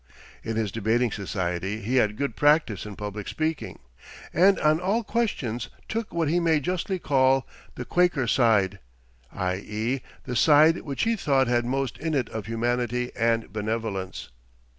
In his debating society he had good practice in public speaking, and on all questions took what we may justly call the Quaker side, i. e., the side which he thought had most in it of humanity and benevolence.